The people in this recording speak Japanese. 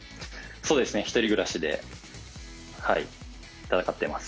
そうですね、１人暮らしで、戦ってます。